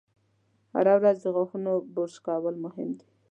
هره ورځ د غاښونو برش کول مهم دي.